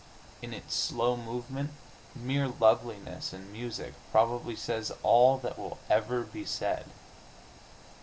In its slow movement mere loveliness in music probably says all that will ever be said....